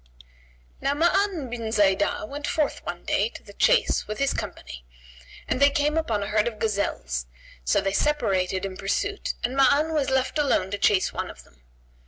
Now Ma'an bin Zбidah went forth one day to the chase with his company, and they came upon a herd of gazelles; so they separated in pursuit and Ma'an was left alone to chase one of them.